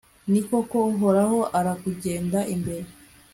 ni koko, uhoraho arakugenda imbere